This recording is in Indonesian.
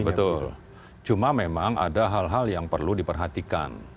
betul cuma memang ada hal hal yang perlu diperhatikan